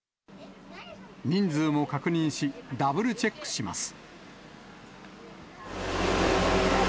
人数も確認し、ダブルチェックします。